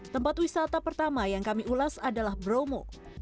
tempat wisata pertama yang kami ulas adalah bromo